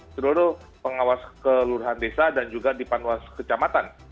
seluruh pengawas kelurahan desa dan juga di panwas kecamatan